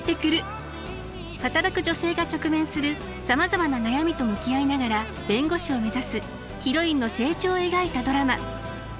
働く女性が直面するさまざまな悩みと向き合いながら弁護士を目指すヒロインの成長を描いたドラマ。